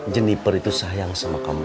jeniper itu sayang sama kamu